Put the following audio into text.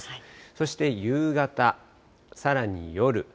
そして夕方、さらに夜。